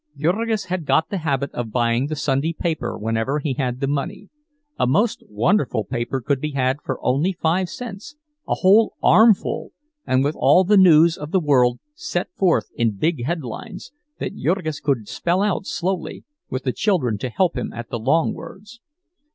Jurgis had got the habit of buying the Sunday paper whenever he had the money; a most wonderful paper could be had for only five cents, a whole armful, with all the news of the world set forth in big headlines, that Jurgis could spell out slowly, with the children to help him at the long words.